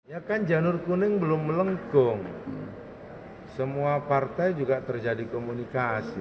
ya kan janur kuning belum melengkung semua partai juga terjadi komunikasi